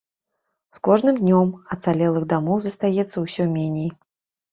З кожным днём ацалелых дамоў застаецца ўсё меней.